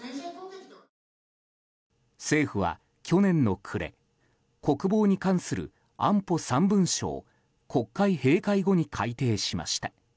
政府は、去年の暮れ国防に関する安保３文書を国会閉会後に改定しました。